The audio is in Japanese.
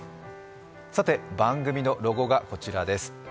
番組のロゴがこちらです。